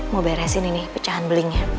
mau beresin ini nih pecahan belingnya